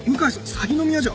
鷺宮じゃ。